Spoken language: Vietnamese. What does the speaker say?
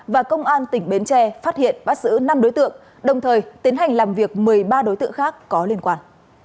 và công an tỉnh bến tre phát hiện bắt giữ năm đối tượng đồng thời tiến hành làm việc một mươi ba đối tượng khác có liên quan